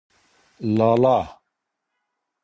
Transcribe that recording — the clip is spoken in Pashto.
لالا